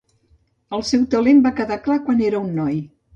El seu talent va quedar clar quan era un noi.